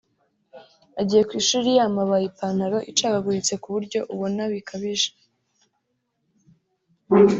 agiye ku ishuri yamabaye ipantalo icagaguritse kuburyo ubona bukabije